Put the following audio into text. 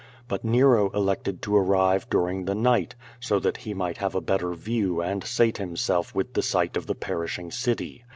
But Nero elected to arrive during the night, so that he might have a better view, and sate himself with the sight of the perishing city.